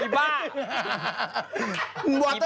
เดี๋ยวอีบ้าอีบ้า